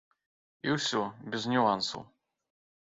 І ўсё, без нюансаў.